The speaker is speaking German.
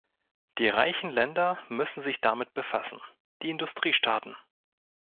Die reichen Länder müssen sich damit befassen die Industriestaaten.